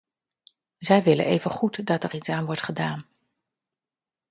Zij willen evengoed dat daar iets aan wordt gedaan.